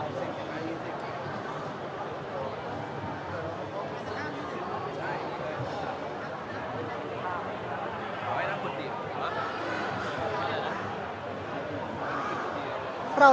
สวัสดีครับ